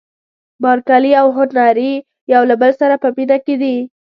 بارکلي او هنري یو له بل سره په مینه کې دي.